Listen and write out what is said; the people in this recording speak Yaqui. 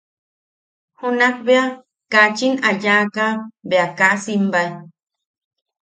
Junak bea kachin a yaʼaka bea kaa simbae.